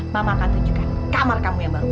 mama akan tunjukkan kamar kamu yang baru